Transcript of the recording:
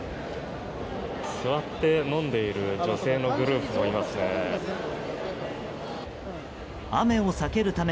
座って飲んでいる女性のグループもいますね。